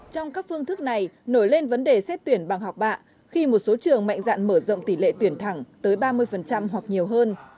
trong các phương thức này nổi lên vấn đề xét tuyển bằng học bạ khi một số trường mạnh dạn mở rộng tỷ lệ tuyển thẳng tới ba mươi hoặc nhiều hơn